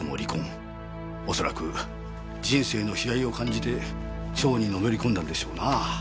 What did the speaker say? おそらく人生の悲哀を感じて蝶にのめり込んだんでしょうなぁ。